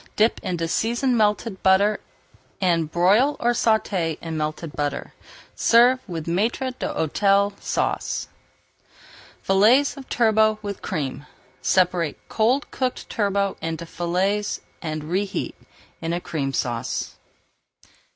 Dip in seasoned melted butter and broil or sauté in melted butter. Serve with Maître d'Hôtel Sauce. FILLETS OF TURBOT WITH CREAM Separate cold cooked turbot into fillets and reheat in a Cream Sauce.